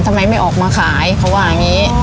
ทำไมไม่ออกมาขายเขาว่าอย่างนี้